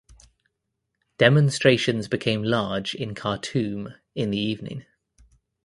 Demonstrations became large in Khartoum in the evening.